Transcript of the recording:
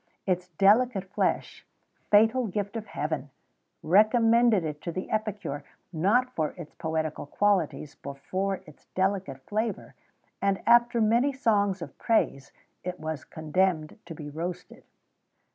Its delicate flesh fatal gift of Heaven! recommended it to the epicure; not for its poetical qualities, but for its delicate flavour; and, after many songs of praise, it was condemned to be roasted.